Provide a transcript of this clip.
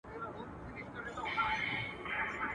o مجبوره ته مه وايه، چي غښتلې.